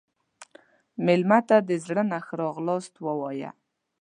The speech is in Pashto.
مېلمه ته د زړه نه ښه راغلاست ووایه.